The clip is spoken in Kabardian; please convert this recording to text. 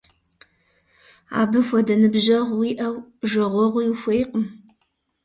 Абы хуэдэ ныбжьэгъу уиӏэу жэгъуэгъуи ухуейкъым.